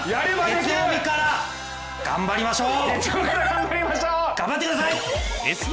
月曜日から、頑張りましょう！